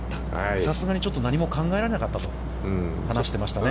さすがに、ちょっと何も考えられなかったと話してしましたね。